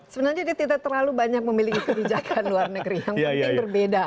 sebenarnya dia tidak terlalu banyak memiliki kebijakan luar negeri yang penting berbeda